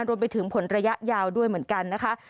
รวมไปถึงผลระยะยาวด้วยเหมือนกันนะคะ